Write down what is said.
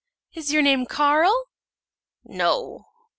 "Is your name Carl?" "No."